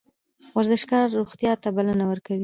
ورزشکار روغتیا ته بلنه ورکوي